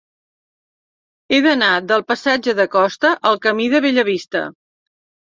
He d'anar del passatge de Costa al camí de Bellavista.